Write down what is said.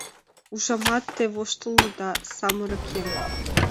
Ужамат, те воштылыда, самырык еҥ.